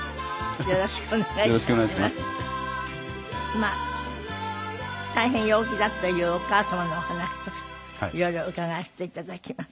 まあ大変陽気だというお母様のお話とかいろいろ伺わせていただきます。